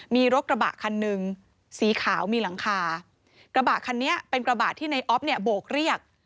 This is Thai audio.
มีรถกระบะคันหนึ่งสีขาวมีหลังคากระบะคันนี้เป็นกระบะที่ในออฟเนี่ยโบกเรียก